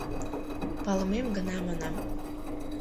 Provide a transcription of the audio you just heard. — Палымем гына манам...